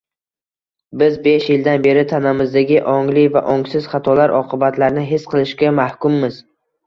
Biz besh yildan beri tanamizdagi ongli va ongsiz xatolar oqibatlarini his qilishga mahkummiz